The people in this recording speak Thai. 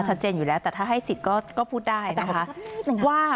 ชัดเจนอยู่แล้วแต่ถ้าให้สิทธิ์ก็พูดได้นะคะว่า